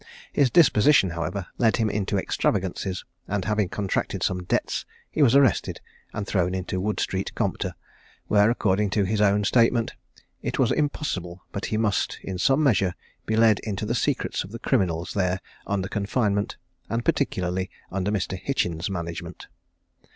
His disposition, however, led him into extravagances, and having contracted some debts, he was arrested, and thrown into Wood street Compter, where, according to his own statement, "it was impossible but he must, in some measure, be led into the secrets of the criminals there under confinement, and particularly under Mr. Hitchin's management."